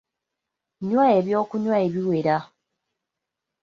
Nnywa ebyokunywa ebiwera.